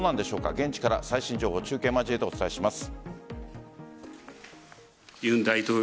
現地から最新情報を中継を交えてお伝えします。